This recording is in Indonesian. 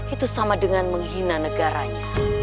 itu sama dengan menghina negaranya